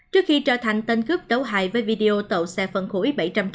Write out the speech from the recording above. trước khi trở thành tên cướp đấu hại với video tậu xe phân khủy